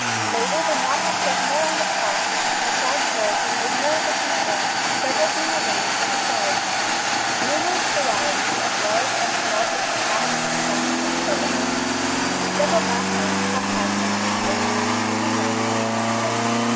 Later the knot was set more on the top, and the side curls were made more of a feature, several being arranged at the sides. Numerous varieties of large and small brimmed hats, bonnets, and turbans are seen, and several masculine top hats and cockade hats may be noted late in this reign.